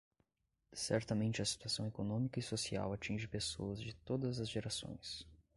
Certamente a situação econômica e social atinge pessoas de todas as gerações.